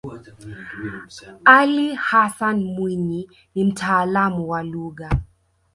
ali hassan mwinyi ni mtaalamu wa lugha